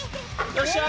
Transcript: よっしゃ！